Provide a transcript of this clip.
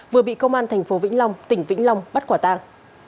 vừa bị công an thành phố vĩnh long tỉnh vĩnh long bắt quả tang